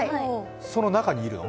その中にいるの？